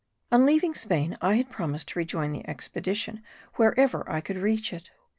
On leaving Spain, I had promised to rejoin the expedition wherever I could reach it. M.